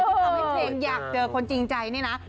ที่ทำให้เพลงอยากเจอคนจริงใจนี่นะ